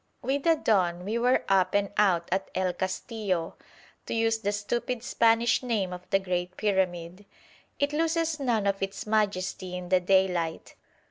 With the dawn we were up and out at El Castillo, to use the stupid Spanish name of the great pyramid. It loses none of its majesty in the daylight.